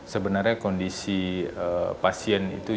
sebenarnya kondisi pasien itu